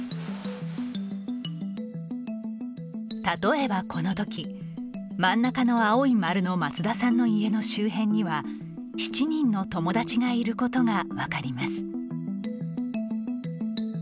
例えば、このとき真ん中の青い丸の松田さんの家の周辺には７人の友達がいることが分かります。